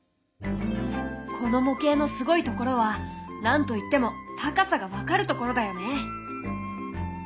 この模型のすごいところは何と言っても高さが分かるところだよね。